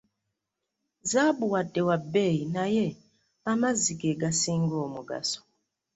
Zzaabu wadde wa bbeeyi naye amazzi ge gasinga omugaso.